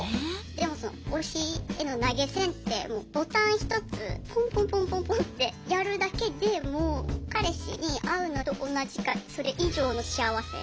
でもその推しへの投げ銭ってボタン一つぽんぽんぽんぽんぽんってやるだけでもう彼氏に会うのと同じかそれ以上の幸せ。